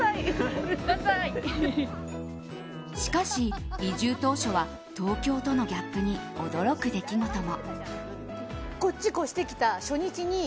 しかし移住当初は東京とのギャップに驚く出来事も。